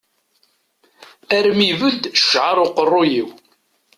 Armi ibedd ccεer uqerru-iw.